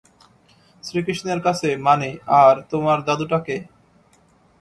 শ্রীকৃষ্ণের কাছে মানে আর তোমার দাদুটা কে?